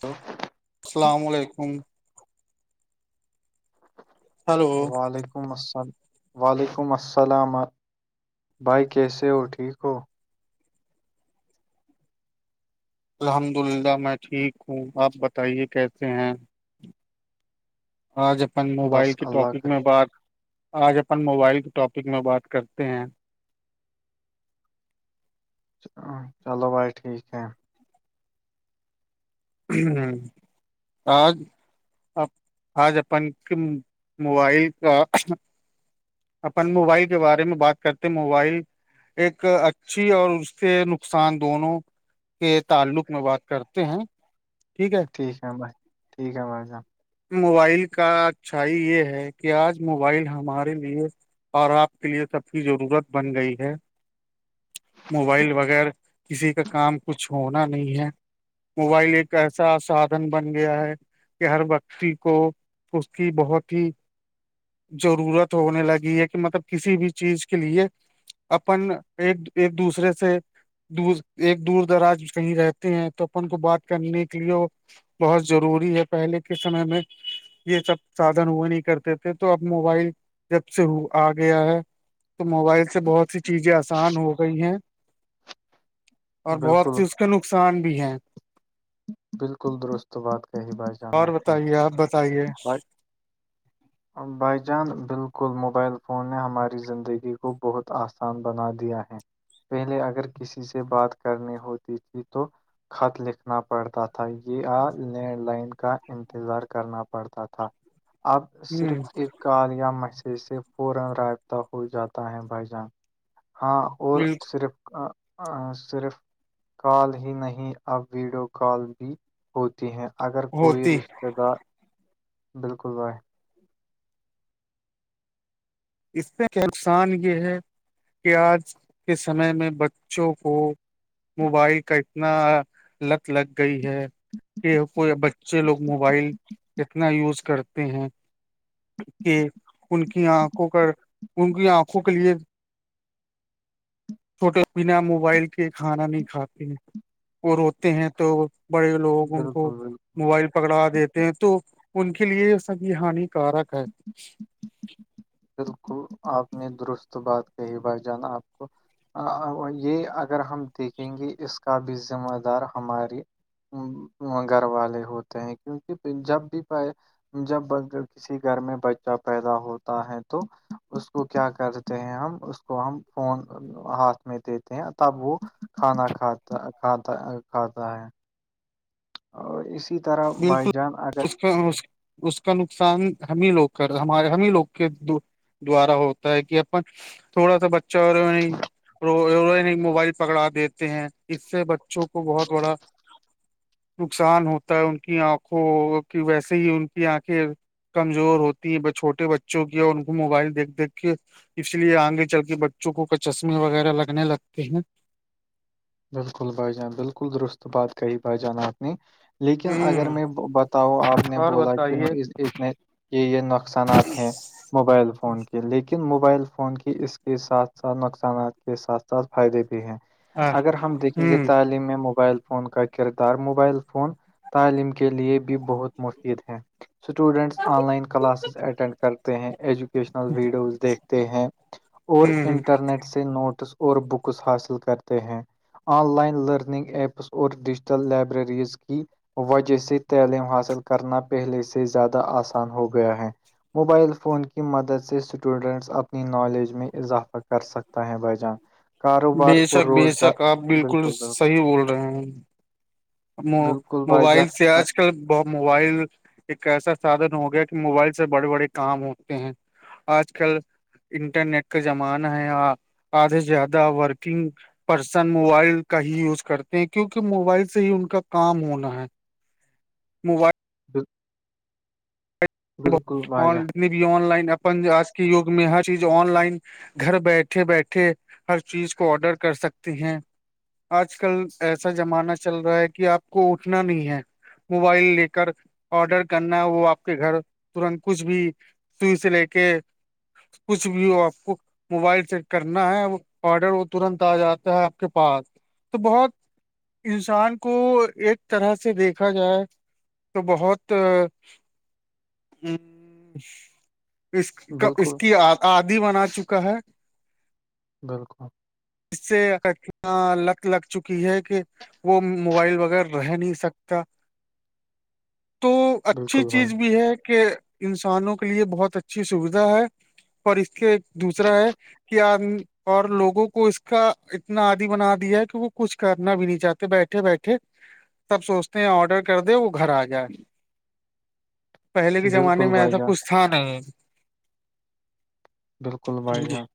تو [unintelligible] ہلو وعلیکم السلام وعلیکم السلام بھائی کیسے ہو ٹھیک ہو الحمد للہ میں ٹھیک ہوں آپ بتائیے کیسے ہیں آج اپن موبائل بس کی اللہ ٹاپک کا میں بات آج اپن موبائل کے ٹاپک میں بات کرتے ہیں چلو بھائی ٹھیک ہے ہوں ہ آج آج اپن کے موبائل کا اپن موبائل کے بارے میں بات کرتے موبائل ایک اچھی اور اس سے نقصان دونوں کے تعلق میں بات کرتے ہیں ٹھیک ہے ٹھیک ہے بھائی ٹھیک ہے بھائی صاحب موبائل کا اچھائی یہ ہے کہ آج موبائل ہمارے لیے اور آپ کے لیے سب کی ضرورت بن گئی ہے موبائل وغیر کسی کا کام کچھ ہونا نہیں ہے موبائل ایک ایسا سادھن بن گیا ہے کہ ہر وکتی کو اس کی بہت ہی ضرورت ہونے لگی ہے کہ مطلب کسی بھی چیز کے لیے اپن ایک ایک دوسرے سے دور ایک دور دراز کہیں رہتے ہیں تو اپن کو بات کرنے کے لیے وہ بہت ضروری ہے پہلے کے سمے میں یہ سب سادن ہوئے نہیں کرتے تھے تو اب موبائل جب سے آ گیا ہے تو موبائل سے بہت سی چیزیں نقصان ہو گئی ہیں اور بہت بالکل سی اس کے نقصان بھی ہیں بالکل درست بات کہی ب اور بتائیے آپ بتائیے بھائی جان بالکل موبائل فون نے ہماری زندگی کو بہت آسان بنا دیا ہے پہلے اگر کسی سے بات کرنی ہوتی تھی تو خط لکھ نا پڑتا تھا یا لینڈ لائن کا انتظار کرنا پڑتا تھا آپ صرف ہ ایک کال یا میسج سے فورن رابطہ ہو جاتا ہے بھائی جان ہاں اور بالکل صرف صرف کال ہی نہیں اب ویڈیو کال بھی ہوتی ہیں اگر کوئی ہوتی رش ب بالکل بائے اس سے نقصان یہ ہے کہ آج کے سمے میں بچوں کو موبائل کا اتنا لت لگ گئی ہے کہ کوئی بچے لوگ موبائل کتنا یوز کرتے ہیں کہ ان کی آنکھوں کا ان کی آنکھوں کے لیے چھوٹے بنا موبائل کے کھانا نہیں کھاتے ہیں وہ روتے ہیں تو بڑے لوگ ان کو بالکل بالکل موبائل پکڑا دیتے ہیں تو ان کے لیے یہ سبھی ہانیکارک ہے بالکل آپ نے درست بات کہیں بھای جانا آپ کو یہ اگر ہم دیکھیں گے اس کا بھی ذمہ دار ہماری گھر والے ہوتے ہیں کیونکہ جب بھی پ جب کسی گھر میں بچہ پیدا ہو ہے تو اس کو کیا کرتے ہیں ہم اس کو ہم فون ہاتھ میں دیتے ہیں تب وہ کھانا کھاتا کھاتا کھاتا ہے اور اسی طرح بائی بالکل جان اگر اس اس کا نقصان ہم ہی لوگ کر ہمار ہم ہی لوگ کے دبارا ہوتا ہے کہ اپن تھوڑا سا بچہ اور ر موبائل پکڑا دیتے ہیں اس سے بچوں کو بہت بڑا نقصان ہوتا ہے ان کی آنکھوں کی ویسے ہی ان کی آنکھیں کمزور ہوتی ہیں چھوٹے بچوں کی اور ان کو موبائل دیکھ دیکھ کے اس لیے آگے چل کے بچوں کو چشمے وغیرہ لگنے لگتے ہیں بالکل بھائی جان بالکل درست بات کہی بھائی جان آپ نے لیکن اگر ہ میں بتاؤ آپ نے اور بولا کہ بتائیے اس نے یہ یہ نقصانات ہیں موبائل فون کی لیکن موبائل فون کی اس کے ساتھ ساتھ نقصانات کے ساتھ ساتھ فائدے بھی ہیں ہ اگر ہم دیکھیں ہ گے تعلیم میں موبائل فون کا کردار موبائل فون تعلیم کے لیے بھی بہت مفید ہیں students online classes attend کرتے ہیں ایجوکیشن ویڈیوز دیکھتے ہیں ہ اور ہ انٹرنیٹ سے نوٹس اور بکس حاصل کرتے ہیں آن لائن لرننگ ایپس اور ڈیجیٹل لائبریریز کی وجہ سے تعلیم حاصل کرنا پہلے سے زیادہ آسان ہو گیا ہے موبائل فون کی مدد سے اسٹوڈنٹس اپنی نالج میں اضافہ کر سکتا ہے بجان کاروبار بے شک بے شک آپ بالکل صحیح بول رہے ہیں بالکل بھائی جان موبائل سے آج کل کل موبائل ایک ایسا سادن ہو گیا کہ موبائل سے بڑے بڑے کام ہوتے ہیں آج کل انٹرنیٹ کا زمانہ ہے آدھے سے زیادہ ورکنگ پرسن موبائل کا ہی یوز کرتے ہیں کیونکہ موبائل سے ہی ان کا کام ہونا ہے موبائل ہاں [unintelligible] بھائی جان جتنے بھی آن لائن اپن آج کے یگ میں ہر چیز آن لائن گھر بیٹھے بیٹھے ہر چیز کو آڈر کر سکتی ہیں آج کل ایسا زمانہ چل رہا ہے کہ آپ کو اٹھنا نہیں ہے موبائل لے کر آڈر کرنا ہے وہ آپ کے گھر ترنت کچھ بھی سوئی سے لے کے کچھ بھی ہو آپ کو موبائل چیک کرنا ہے آڈر وہ ترنت آ جاتا ہے آپ کے پاس تو بہت انسان کو ایک طرح سے دیکھا جائے تو بہت ہ اس اس بالکل کی آدی بنا چکا ہے بالکل اس سے لگ لگ چکی ہے کہ وہ موبائل وغیر رہ نہیں سکتا تو اچھی بالکل بھائی چیز بھی ہے کہ انسانوں کے لیے بہت اچھی سویدھا ہے اور اس سے دوسرا ہے کہ آپ اور لوگوں کو اس کا اتنا آدی بنا دیا ہے کہ وہ کچھ کرنا بھی نہیں چاہتے بیٹھے بیٹھے تب سوچتے ہیں آرڈر کر دے وہ گھر آ جائے پہلے کے زمانے بالکل میں بھائی ایسا جان کچھ تھان ہے بالکل بھائی ہاں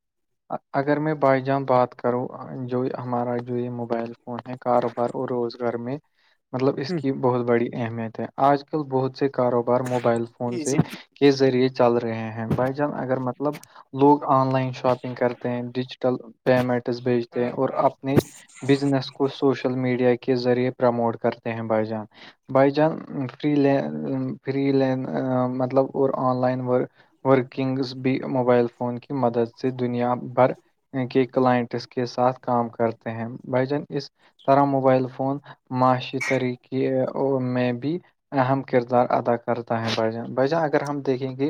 اگر میں بائی جان بات کروں جو ہمارا جو یہ موبائل کاروبار اور روزگار میں مطلب اس ہ کی بہت بڑی اہمیت ہے آج کل بہت سے کاروبار موبائل فون سے کے ذریعے چل رہے ہیں بائی جان اگر مطلب لوگ آن لائن شاپنگ کرتے ہیں ڈیجیٹل پیمنٹس بھیجتے ہیں اور اپنی بزنس کو سوشل میڈیا کے ذریعے پرموٹ کرتے ہیں بائی جان بائی جان فری ل فری ل مطلب اور آن لائن ورک ورکنگز بھی موبائل فون کی مدد سے دنیا بھر کے کلائنٹس کے ساتھ کام کرتے ہیں بھ جان اس طرح موبائل فون معاشی طریقے میں بھی اہم کردار ادا کرتا ہے بھجان بھجان اگر ہم دیکھیں گے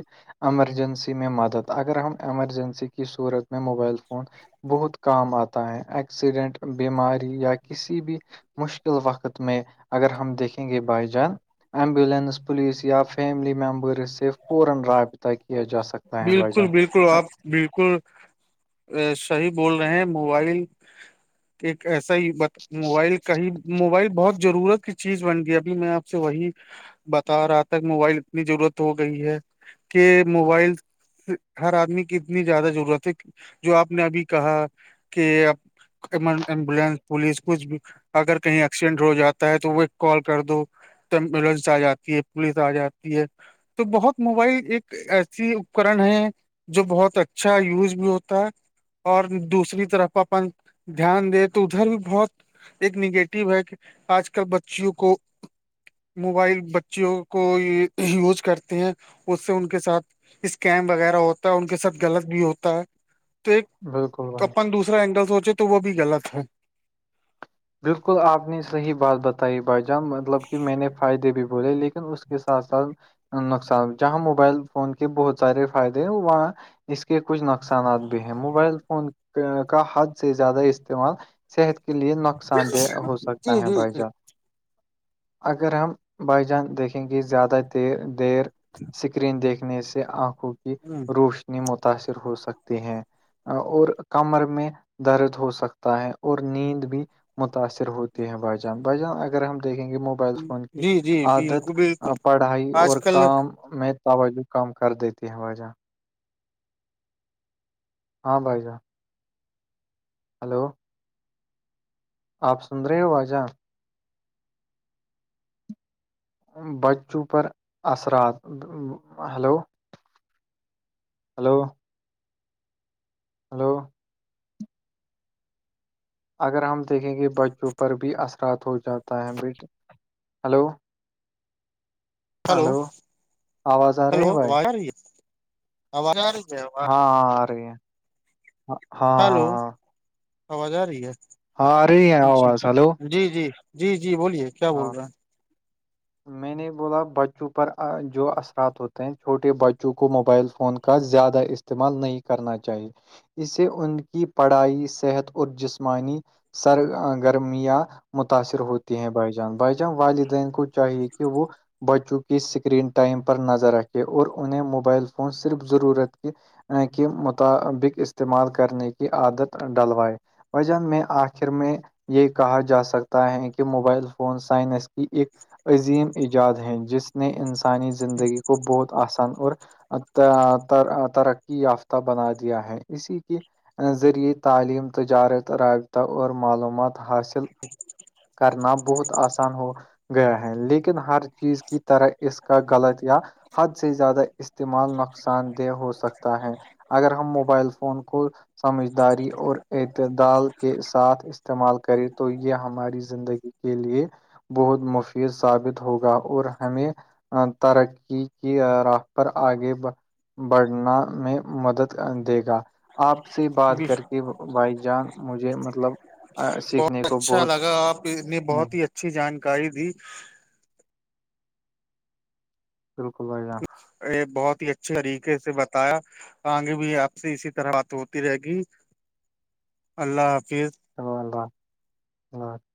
ایمرجنسی میں مدد اگر ہم ایمرجنسی کی صورت میں موبائل فون بہت کام آتا ہے ایکسیڈنٹ بیماری یا کسی بھی مشکل وقت میں اگر ہم دیکھیں گے بائی جان [inaudible] بالکل جان بالکل آپ بالکل صحیح بول رہے ہیں موبائل ایک ایسا ہی مت موبائل کہیں موبائل بہت ضرورت کی چیز بن گئی ابھی میں آپ سے وہی بتا رہا تھاک موبائل اتنی ضرورت ہو گئی ہے کہ موبائل ہر آدمی کی اتنی زیادہ ضرورت ہے جو آپ نے ابھی کہا کہ ایمبولینس پولیس کچھ بھی اگر کہیں ایکسیڈنٹ ہو جاتا ہے تو وہ کال کر دو تو ایمبولینس آ جاتی ہے پولیس آ جاتی ہے تو بہت موبائل ایک ایسی اپکرن ہے جو بہت اچھا یوز بھی ہوتا اور دوسری طرف اپن دھیان دے تو ادھر بھی بہت ایک نیگیٹو ہے کہ آج کل بچیوں کو موبائل بچیوں کو یوز کرتے ہیں اس سے ان ان کے ساتھ اسکیم وغیرہ ہوتا ہے ان کے ساتھ غلط بھی ہوتا ہے تو ایک بالکل بھائی اپن دوسرا اینگل سوچے تو وہ بھی غلط ہے بالکل آپ نے صحیح بات بتائی بھائی جان مطلب کہ میں نے فائدے بھی بولے لیکن اس کے ساتھ ساتھ نقصان جہاں موبائل فون کے بہت سارے فائدے ہیں وہاں اس کے کچھ نقصانات بھی ہیں موبائل فون کا حد سے زیادہ استعمال صحت کے لیے نقصان دہ ہو سکتا جی ہے جی بھائی جی جان اگر ہم بائی جان دیکھیں گے زیادہ دیر اسکرین دیکھنے سے آنکھوں کی ہ روش تنی متاثر ہو سکتی ہیں اور کمر میں درد ہو سکتا ہے اور نیند بھی متاثر ہوتی ہے بائیجان بائیجان اگر ہم دیکھیں گے موبائل فون کی جی جی عادت بالکل بالکل پڑھائی آج اور کل کام میں توجہ کم کر دیتی ہے وجہ ہاں بائی جا ہلو آپ سن رہے ہو آ جان بچوں پر اثرات ہلو ہلو ہلو اگر ہم دیکھیں گے بچوں پر بھی اثرات ہو جاتا ہے بیٹے ہلو ہلو آواز آ رہی ہے بھائی کیا رہی ہے ا ہاں آواز ہاں آ رہی ہے ہاں ہلو ہاں ہاں آواز آ رہی ہے ہاں ارے ہیں جی آواز ہلو جی جی جی جی بولیے کیا ہاں بول [inaudible] میں نے بولا بچوں پر جو اثرات ہوتے ہیں چھوٹے بچوں کو موبائل فون کا زیادہ استعمال نہیں کرنا چاہیے اسے ان کی پڑھائی صحت اور جسمانی سر گرمیاں متاثر ہوتی ہیں بھائی بائی چان والدین کو چاہیے کہ وہ بچوں کی اسکرین ٹائم پر نظر رکھے اور انہیں موبائل فون صرف ضرورت کی کے مطابق استعمال کرنے کی عادت ڈلوائے وجان میں آخر میں یہ کہا جا سکتا ہے کہ موبائل ون سائنس کی ایک عظیم ایجاد ہے جس نے انسانی زندگی کو بہت آسان اور ترقی یافتہ بنا دیا ہے اسی کی ذریعے تعلیم تجارت رابطہ اور معلومات حاصل جی کرنا بہت آسان ہو گیا ہے لیکن ہر چیز کی طرح اس کا غلط یا حد سے زیادہ استعمال نقصان دہ ہو سکتا ہے اگر ہم موبائل فون کو سمجھداری اور اعتدال کے ساتھ استعمال کرے تو یہ ہماری زندگی کے لیے بہت مفید ثابت ہوگا اور ہمیں ترقی کی راہ پر آگے بڑھنا میں مدد دے گا آپ سے ہیں بات کر کے بھائی جان مجھے مطلب س بہت اچھا لگا آپ نے بہت ہی اچھی جانکاری دی بالکل بھ یہ بہت ہی اچھے طریقے سے بتایا آگے بھی آپ سے اسی طرح بات ہوتی رہے گی اللہ حافظ چلو اللہ حافظ